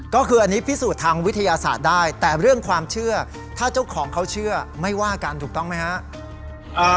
ก็คืออันนี้พิสูจน์ทางวิทยาศาสตร์ได้แต่เรื่องความเชื่อถ้าเจ้าของเขาเชื่อไม่ว่ากันถูกต้องไหมครับ